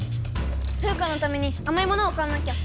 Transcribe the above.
フウカのためにあまいものを買わなきゃ！